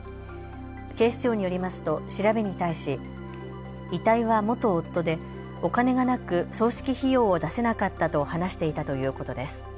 警視庁によりますと調べに対し遺体は元夫でお金がなく葬式費用を出せなかったと話していたということです。